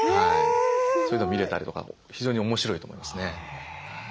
そういうのを見れたりとかも非常に面白いと思いますね。